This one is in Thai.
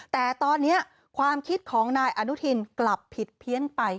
แต่ตอนนี้ความคิดของนายอนุทินกลับผิดเพี้ยนไป